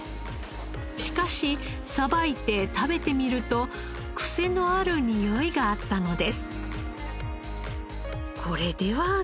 しかしさばいて食べてみるとクセのあるにおいがあったのです。